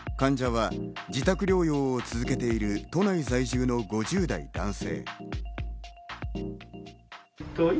患者は自宅療養を続けている都内在住の５０代男性。